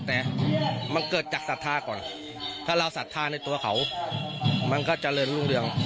แต่มันเกิดจากศรัทธาก่อนถ้าเราศรัทธาในตัวเขามันก็เจริญรุ่งเรือง